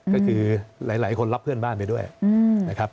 ก็คือหลายคนรับเพื่อนบ้านไปด้วยนะครับ